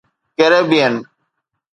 Caribbean